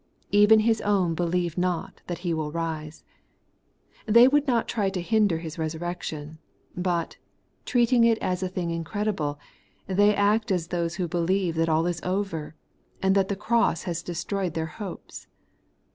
Even His own believe not thaf He will rise. They would not try to hinder His resurrection, but, treating it as a thing incredible, they act as those who believe that aU is over, and that the cross has destroyed their hopes.